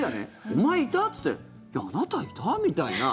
お前、いた？っていや、あなた、いた？みたいな。